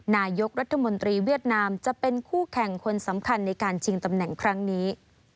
นายกรัฐมนตรีเวียดนามจะเป็นคู่แข่งคนสำคัญในการชิงตำแหน่งครั้งนี้